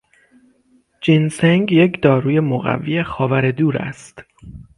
جینسنگ یک داروی مقوی خاور دور است.